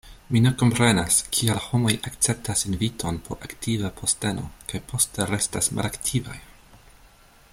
Mi ne komprenas, kial homoj akceptas inviton por aktiva posteno kaj poste restas malaktivaj.